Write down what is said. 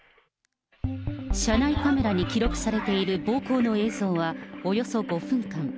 車内カメラに記録されている暴行の映像は、およそ５分間。